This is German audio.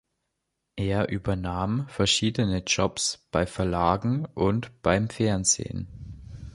Er übernahm verschiedene Jobs bei Verlagen und beim Fernsehen.